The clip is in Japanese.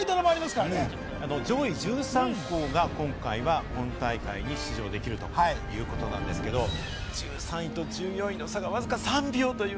上位１３校が今回は本大会に出場できるということなんですけれど、１３位と１４位の差がわずか３秒という。